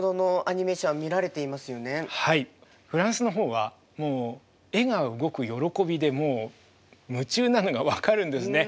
はいフランスの方はもう絵が動く喜びでもう夢中なのが分かるんですね。